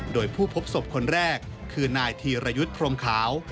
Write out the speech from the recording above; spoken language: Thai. โดยผู้พบศพคนแรกคือนายธีรยุทธ์พรมขาว